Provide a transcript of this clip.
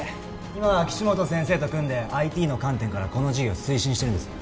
今は岸本先生と組んでＩＴの観点からこの事業を推進してるんですよ